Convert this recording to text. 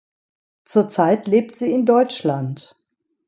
Zurzeit lebt sie in Deutschland.